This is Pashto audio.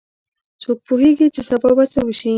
څوک پوهیږي چې سبا به څه وشي